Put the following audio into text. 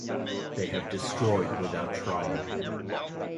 They have destroyed without trial.